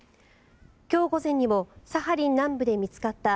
今日午前にもサハリン南部で見つかった